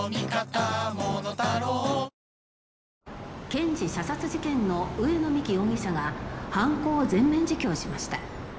「検事射殺事件の上野美貴容疑者が犯行を全面自供しました」